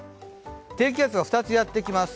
低気圧が２つやってきます。